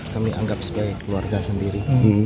kami anggap sebagai keluarga sendiri